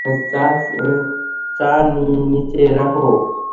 চা নিচে রাখ।